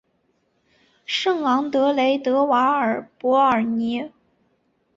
圣昂德雷德瓦尔博尔尼。